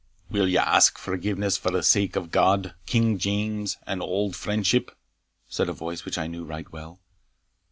"Will you ask forgiveness for the sake of God, King James, and auld friendship?" said a voice which I knew right well.